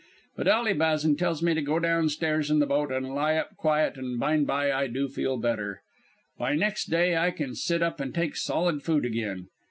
"But Ally Bazan tells me to go downstairs in the boat an' lie up quiet, an' byne by I do feel better. By next day I kin sit up and take solid food again.